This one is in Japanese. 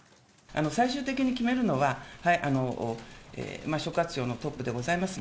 最終的に決めるのは、所轄庁のトップでございます